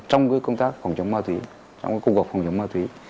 trong cái công tác phòng chống ma túy trong cái cung cộp phòng chống ma túy